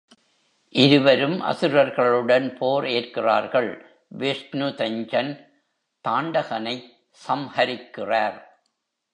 இருவரும் அசுரர்களுடன் போர் ஏற்கிறார் கள் விஷ்ணு தஞ்சன், தாண்டகனைச் சம்ஹரிக்கிறார்.